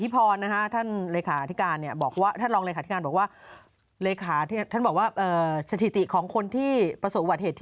เพื่อนหมอ